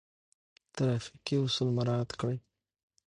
ترافيکي اصول مراعات کړئ.